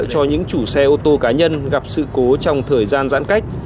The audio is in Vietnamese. cho những chủ xe ô tô cá nhân gặp sự cố trong thời gian giãn cách